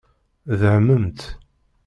Dehmemt.